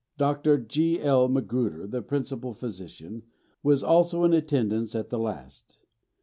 Dr. G.L. Magruder, the principal physician, was also in attendance at the last.